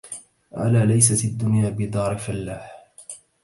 ألا ليست الدنيا بدار فلاح